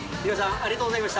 ありがとうございます。